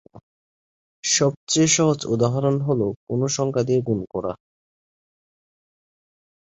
সবচেয়ে সহজ উদাহরণ হলো কোন সংখ্যা দিয়ে গুণ করা।